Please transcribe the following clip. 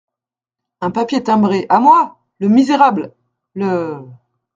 Un papier timbré, à moi !… le misérable !… le…